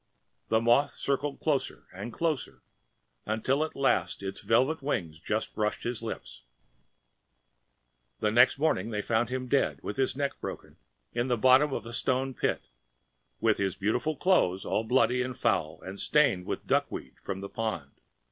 ‚ÄĚ And the moth circled closer and closer until at last its velvet wings just brushed his lips ..... And next morning they found him dead with his neck broken in the bottom of the stone pit, with his beautiful clothes a little bloody and foul and stained with the duckweed from the pond.